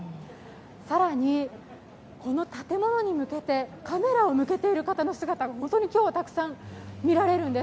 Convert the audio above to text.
更に、この建物に向けてカメラを向けている人の姿が本当に今日はたくさん見られるんです。